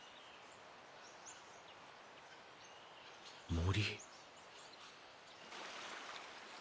森。